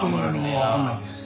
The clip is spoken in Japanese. わからないです。